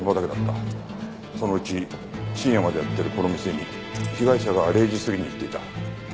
そのうち深夜までやってるこの店に被害者が０時過ぎに行っていた。